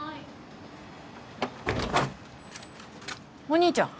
お兄ちゃん。